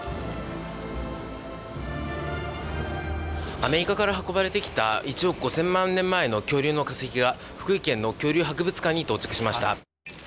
アメリカから運ばれてきた１億５，０００万年前の恐竜の化石が福井県の恐竜博物館に到着しました。